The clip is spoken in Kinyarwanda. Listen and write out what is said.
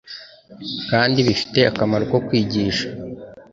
kandi bifite akamaro ko kwigisha